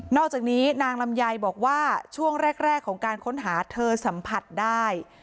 อกจากนี้นางลำไยบอกว่าช่วงแรกของการค้นหาเธอสัมผัสได้